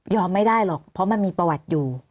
ไม่ได้หรอกเพราะมันมีประวัติอยู่